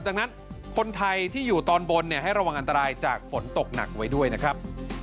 ดังนั้นคนไทยที่อยู่ตอนบนให้ระวังอันตรายจากฝนตกหนักไว้ด้วยนะครับ